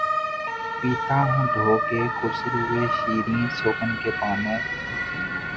پیتا ہوں دھو کے خسروِ شیریں سخن کے پانو